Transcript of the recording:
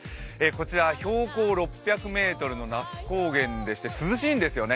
こちら、標高６００ｍの那須高原でして涼しいんですよね。